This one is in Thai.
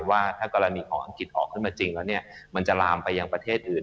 ว่าถ้ากรณีของอังกฤษออกขึ้นมาจริงแล้วเนี่ยมันจะลามไปยังประเทศอื่น